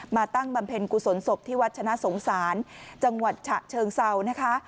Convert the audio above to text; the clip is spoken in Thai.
ตั้งบำเพ็ญกุศลศพที่วัชนะสงสารจังหวัดฉะเชิงเซานะคะ